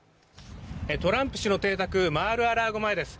トランプ氏の邸宅、マール・ア・ラーゴ前です。